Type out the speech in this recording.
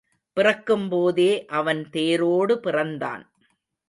பிறக்கும்போதே அவன் தேரோடு பிறந்தான்.